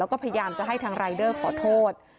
แล้วก็พยายามจะให้ทางรายเดอร์ขอโทษ